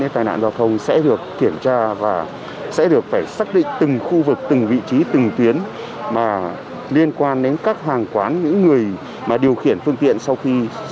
tài nạn do sử dụng rượu bia phải giảm trong đợt này